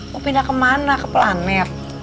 mau pindah kemana ke planet